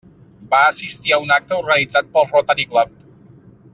Va assistir a un acte organitzat pel Rotary Club.